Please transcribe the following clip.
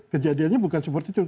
kejadiannya bukan seperti itu